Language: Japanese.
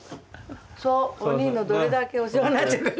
そうおにいのどれだけお世話になっちょるか。